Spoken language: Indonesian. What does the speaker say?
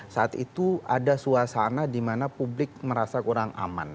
saat itu ada suasana dimana publik merasa kurang aman